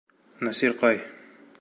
Насирҡай...